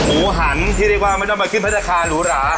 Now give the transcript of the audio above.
หมูหันที่เรียกว่าไม่ได้มาขึ้นประธานาคารหรูหรา